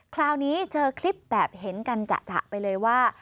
คราวนี้เจอคลิปแบบเห็นกันจะไปเลยว่า